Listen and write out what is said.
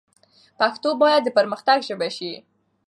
پښتو باید د پرمختګ ژبه شي.